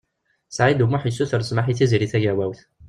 Saɛid U Muḥ yessuter smeḥ i Tiziri Tagawawt.